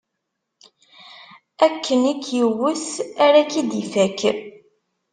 Akken i k-iwwet, ara k-id-ifakk.